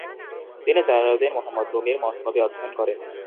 তিনি Jalal Uddin Muhammad রুমির মসনবি অধ্যয়ন করেন।